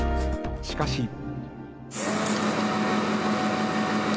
しかし。